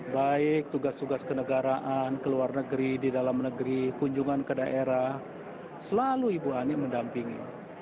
baik tugas tugas kenegaraan ke luar negeri di dalam negeri kunjungan ke daerah selalu ibu ani mendampingi